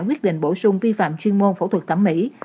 quyết định bổ sung vi phạm chuyên môn phẫu thuật thẩm mỹ